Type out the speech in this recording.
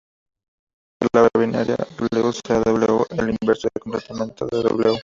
Para una palabra binaria "w", sea "w" el inverso del complemento de "w".